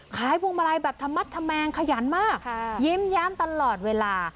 พวงมาลัยแบบธรรมดธแมงขยันมากยิ้มแย้มตลอดเวลา